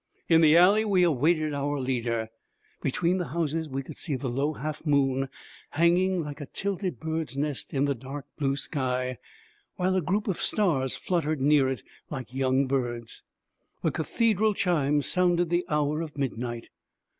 In the alley we awaited our leader. Between the houses we could see the low half moon, hanging like a tilted bird's nest in the dark blue sky, while a group of stars fluttered near it like young birds. The cathedral chimes sounded the hour of midnight.